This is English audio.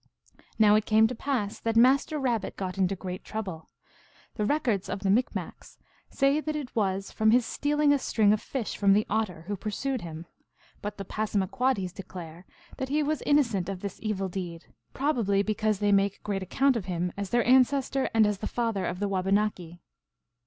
Now it came to pass that Master Kabbit got into great trouble. The records of the Micmacs say that it was from his stealing a string of fish from the Otter, who pursued him ; but the Passamaquoddies declare that he was innocent of this evil deed, probably be cause they make great account of him as their ances tor and as the father of the Wabanaki.